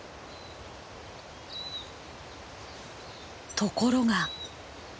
ところが。